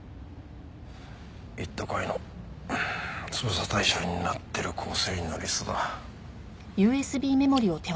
一途会の捜査対象になってる構成員のリストだ。